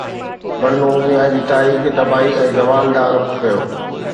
بنو اميه جي تاريخ تباهي ۽ زوال ڏانهن رخ ڪيو